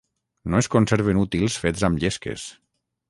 No es conserven útils fets amb llesques.